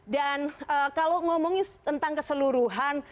dan kalau ngomongin tentang keseluruhan